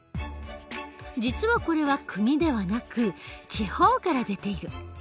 実はこれは国ではなく地方から出ている。